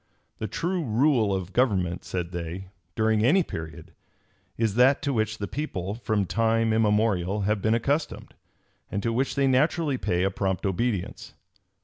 The true rule of government, said they, during any period, is that to which the people, from time immemorial, have been accustomed, and to which they naturally pay a prompt obedience.